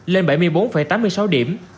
lên bảy mươi bốn tám mươi sáu điểm